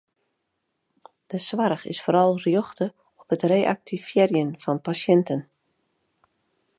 De soarch is foaral rjochte op it reaktivearjen fan pasjinten.